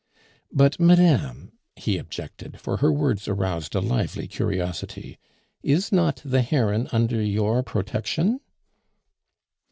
"But, madame," he objected, for her words aroused a lively curiosity, "is not the Heron under your protection?"